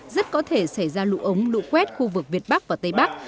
rất có thể xảy ra lũ ống lũ quét khu vực việt bắc và tây bắc